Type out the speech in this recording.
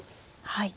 はい。